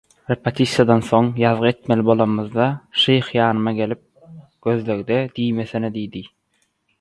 Repetisiýadan soň, ýazgy etmeli bolamyzda, Şyh ýanyma gelip, «Gözlegde» diýmesene» diýdi.